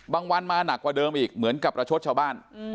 วันมาหนักกว่าเดิมอีกเหมือนกับประชดชาวบ้าน